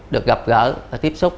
được gặp gỡ và tiếp xúc